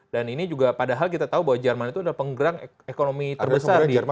dan ini juga padahal kita tahu bahwa jerman itu adalah penggerang ekonomi terbesar di dunia eropa